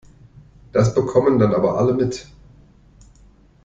Das bekommen dann aber alle mit.